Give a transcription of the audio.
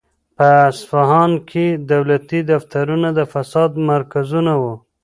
په اصفهان کې دولتي دفترونه د فساد مرکزونه وو.